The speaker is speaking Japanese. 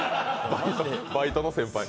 バイトの先輩。